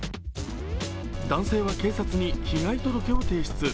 男性は警察に被害届を提出。